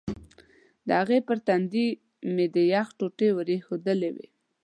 د هغه پر تندي مې د یخ ټوټې ور ایښودلې وې.